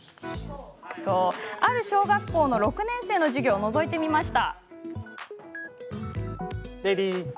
ある小学校の６年生の授業をのぞいてみました。